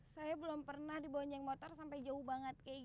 saya belum pernah dibonjang motor sampai jauh banget kayak gini